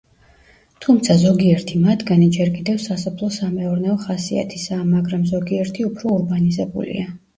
თუმცა, ზოგიერთი მათგანი ჯერ კიდევ სასოფლო-სამეურნეო ხასიათისაა, მაგრამ ზოგიერთი უფრო ურბანიზებულია.